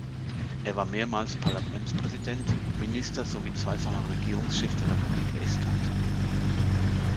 Er war mehrmals Parlamentspräsident, Minister sowie zweifacher Regierungschef der Republik Estland.